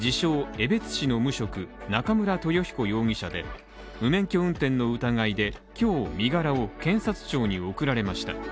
・江別市の無職、中村豊彦容疑者で、無免許運転の疑いで今日身柄を検察庁に送られました。